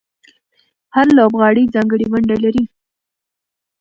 هر لوبغاړی ځانګړې ونډه لري.